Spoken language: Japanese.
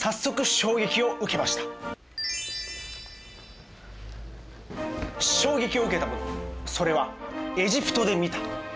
衝撃を受けたものそれはエジプトで見た。